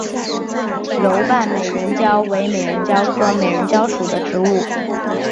柔瓣美人蕉为美人蕉科美人蕉属的植物。